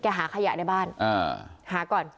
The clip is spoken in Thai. หาขยะในบ้านหาก่อน